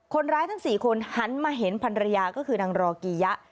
ทั้ง๔คนหันมาเห็นพันรยาก็คือนางรอกียะ